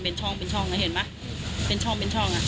เป็นช่องเป็นช่องนะเห็นไหมเป็นช่องเป็นช่องอ่ะ